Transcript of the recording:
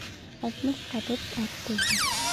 Алтмыш ҡабып ат туйһын.